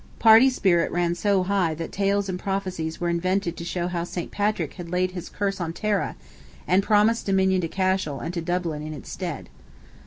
Party spirit ran so high that tales and prophecies were invented to show how St. Patrick had laid his curse on Tara, and promised dominion to Cashel and to Dublin in its stead.